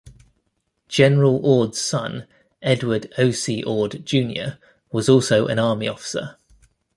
General Ord's son, Edward O. C. Ord, Junior was also an Army officer.